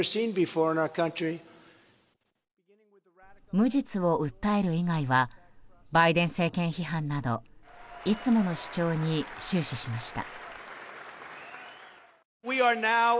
無実を訴える以外はバイデン政権批判などいつもの主張に終始しました。